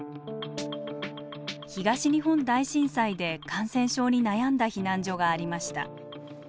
東日本大震災で感染症に悩んだ避難所がありました。